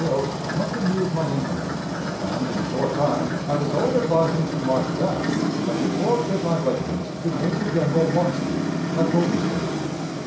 Hill not to move my infantry, and in a short time I was ordered by him to march back, and report with my regiments to Major General Longstreet at Williamsburg.